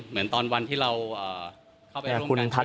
เหมือนตอนวันที่เราเข้าไปร่วมกันช่วยแมวมาก่อนกัน